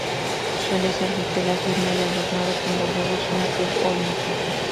Suele ser de tela firme y adornado con bordados y una cruz o imagen.